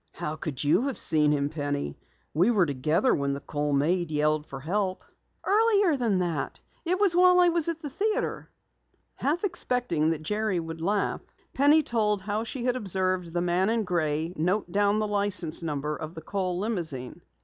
"How could you have seen him, Penny? We were together when the Kohl maid yelled for help." "Earlier than that. It was while I was at the theatre." Half expecting that Jerry would laugh, Penny told how she had observed the man in gray note down the license number of the Kohl limousine.